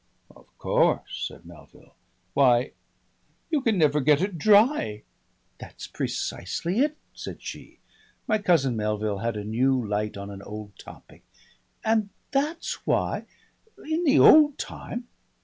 "Of course," said Melville. "Why! you can never get it dry!" "That's precisely it," said she. My cousin Melville had a new light on an old topic. "And that's why in the old time